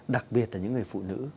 đặc biệt là những người phụ nữ